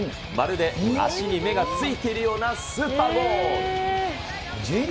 まるで足に目がついているようなスーパーゴール。